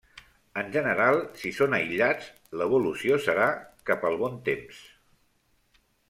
En general, si són aïllats, l’evolució serà cap al bon temps.